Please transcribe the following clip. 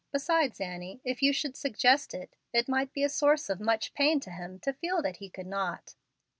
Besides, Annie, if you should suggest it, it might be a source of much pain to him to feel that he could not."